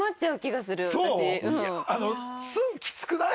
ツンきつくない？